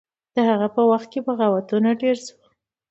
د هغه په وخت کې بغاوتونه ډیر شول.